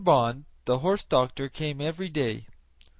Bond, the horse doctor, came every day.